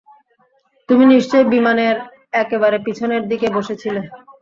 তুমি নিশ্চয় বিমানের একেবারে পিছনের দিকে বসে ছিলে।